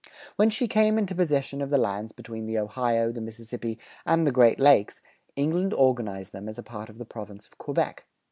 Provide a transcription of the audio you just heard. When she came into possession of the lands between the Ohio, the Mississippi, and the Great Lakes, England organized them as a part of the Province of Quebec.